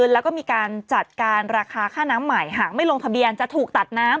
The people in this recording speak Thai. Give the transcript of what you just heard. แล้วก็มีการจัดการราคาค่าน้ำใหม่หากไม่ลงทะเบียนจะถูกตัดน้ำ